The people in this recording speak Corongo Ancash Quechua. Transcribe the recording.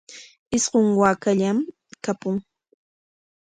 Isqun waakallam kapun.